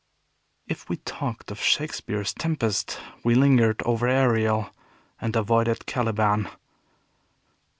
If we talked of Shakespeare's Tempest, we lingered over Ariel, and avoided Caliban.